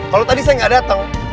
kalau tadi saya nggak datang